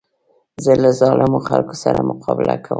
زه له ظالمو خلکو سره مقابله کوم.